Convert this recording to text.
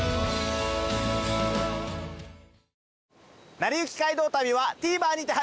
『なりゆき街道旅』はＴＶｅｒにて配信中です。